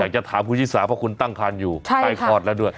อยากจะถามภูทธิษศาสตร์เพราะคุณตั้งครันอยู่ใช่ค่ะใกล้คอร์ดแล้วด้วย